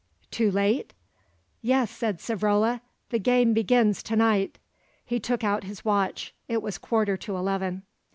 "Too late?" "Yes," said Savrola; "the game begins to night." He took out his watch; it was a quarter to eleven.